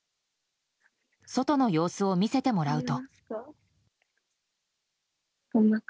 外の様子を見せてもらうと。